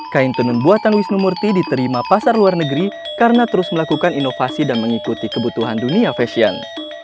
kain tenun buatan wisnu murti diterima pasar luar negeri karena terus melakukan inovasi dan mengikuti kebutuhan dunia fashion